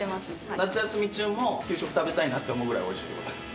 夏休み中も給食食べたいなと思うぐらい、おいしい？